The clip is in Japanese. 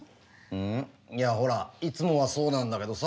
うん？いやほらいつもはそうなんだけどさ